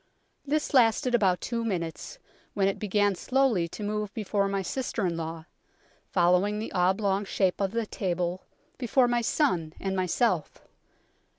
This lasted about two minutes, when it began slowly to move before my sister in law, following the oblong shape of the table, before my son and myself.